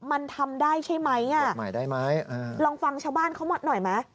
มันทำได้ใช่ไหมลองฟังชาวบ้านเขาหมดหน่อยไหม